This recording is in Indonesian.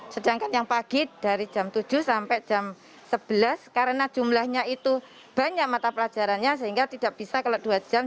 sedangkan yang pagi dari jam tujuh sampai jam sebelas karena jumlahnya itu banyak mata pelajarannya sehingga tidak bisa kalau dua jam